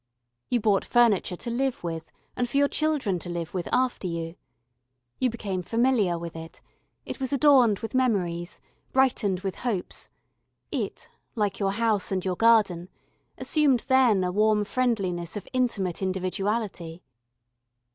You bought furniture to live with, and for your children to live with after you. You became familiar with it it was adorned with memories, brightened with hopes; it, like your house and your garden, assumed then a warm friendliness of intimate individuality.